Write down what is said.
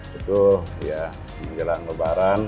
betul ya menjelang lebaran